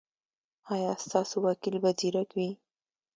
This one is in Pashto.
ایا ستاسو وکیل به زیرک وي؟